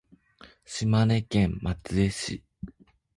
島根県松江市